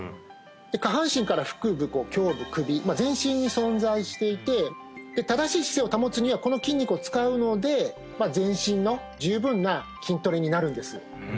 下半身から腹部胸部首全身に存在していて正しい姿勢を保つにはこの筋肉を使うので全身の十分な筋トレになるんです